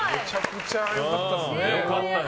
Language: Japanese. めちゃくちゃ良かったですね。